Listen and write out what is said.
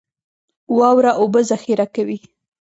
واوره اوبه ذخیره کوي